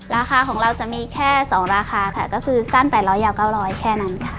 ราคาของเราจะมีแค่๒ราคาค่ะก็คือสั้น๘๐๐ยาว๙๐๐แค่นั้นค่ะ